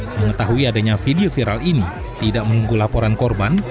mengetahui adanya video viral ini tidak menunggu laporan korban